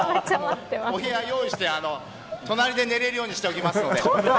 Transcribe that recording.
お部屋を用意して隣で寝れるようにしておきますので。